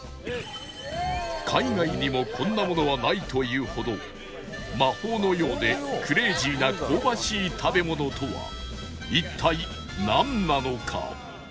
海外にもこんなものはないというほど魔法のようでクレイジーな香ばしい食べ物とは一体なんなのか？